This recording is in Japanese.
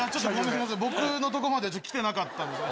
僕のとこまでちょっと来てなかったんで。